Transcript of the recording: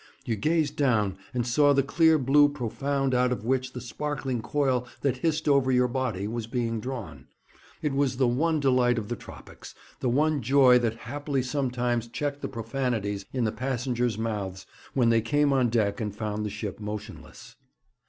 You gazed down, and saw the clear blue profound out of which the sparkling coil that hissed over your body was being drawn. It was the one delight of the tropics, the one joy that haply sometimes checked the profanities in the passengers' mouths when they came on deck and found the ship motionless.